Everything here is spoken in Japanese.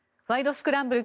スクランブル」